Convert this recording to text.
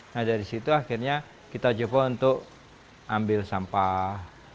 nah dari situ akhirnya kita coba untuk ambil sampah